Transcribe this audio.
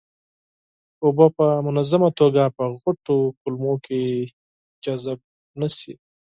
اوبه په منظمه توګه په غټو کولمو کې جذب نشي.